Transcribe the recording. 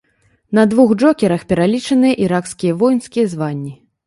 На двух джокерах пералічаныя іракскія воінскія званні.